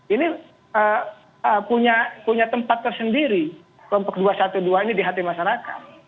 ini punya tempat tersendiri kelompok dua ratus dua belas ini di hati masyarakat